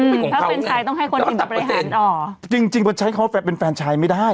อืมเพราะแฟนชายต้องให้คนอื่นบริหารอ๋อจริงจริงมันใช้เขาเป็นแฟนชายไม่ได้